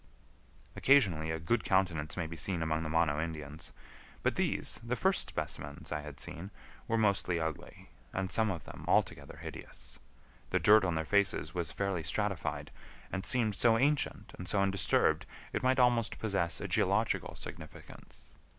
Occasionally a good countenance may be seen among the Mono Indians, but these, the first specimens I had seen, were mostly ugly, and some of them altogether hideous. The dirt on their faces was fairly stratified, and seemed so ancient and so undisturbed it might almost possess a geological significance.